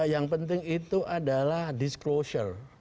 yang penting itu adalah disclosure